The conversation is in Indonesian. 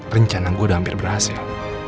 rencana gue udah hampir berhasil